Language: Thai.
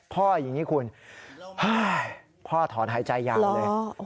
พ่ออย่างนี้คุณพ่อถอนหายใจยาวเลย